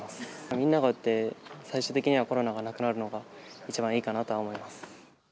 みんなが打って、最終的にはコロナがなくなるのが一番いいかなとは思います。